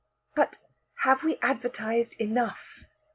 "But have we advertised enough?"